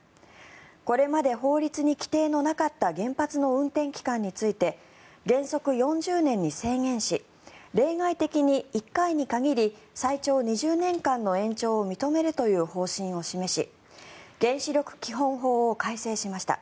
これまで法律に規定のなかった原発の運転期間について原則４０年に制限し例外的に１回に限り最長２０年間の延長を認めるという方針を示し原子力基本法を改正しました。